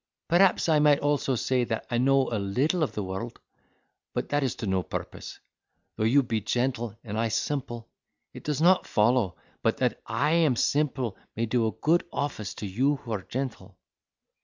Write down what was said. Perhaps I might also say, that I know a little of the world; but that is to no purpose,—though you be gentle, and I simple, it does not follow, but that I who am simple may do a good office to you who are gentle.